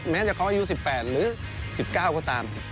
แม้จะเขาอายุ๑๘หรือ๑๙ก็ตาม